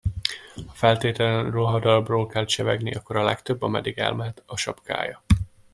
Ha feltétlenül ruhadarabról kell csevegni, akkor a legtöbb, ameddig elmehet, a sapkája.